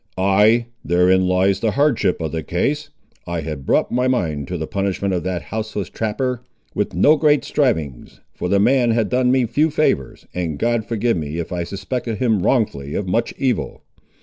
"Ay; therein lies the hardship of the case. I had brought my mind to the punishment of that houseless trapper, with no great strivings, for the man had done me few favours, and God forgive me if I suspected him wrongfully of much evil!